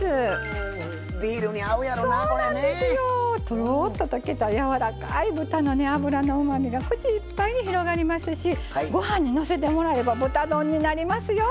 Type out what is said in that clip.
とろっと溶けたやわらかい豚の脂のうまみが口いっぱいに広がりますしご飯にのせてもらえば豚丼になりますよ。